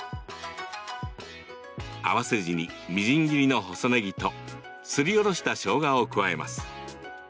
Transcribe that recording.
合わせ地にみじん切りの細ねぎとすりおろしたしょうがを加えます。